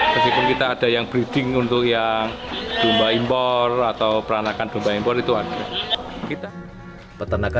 meskipun kita ada yang breeding untuk yang domba imunisnya